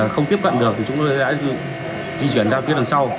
không tiếp cận được thì chúng tôi sẽ di chuyển ra phía đằng sau